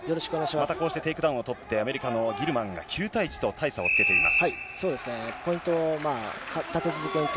またこうしてテイクダウンを取って、アメリカのギルマンが９対１と大差をつけています。